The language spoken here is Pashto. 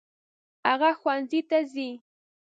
هغه ښوونځي ته ځي.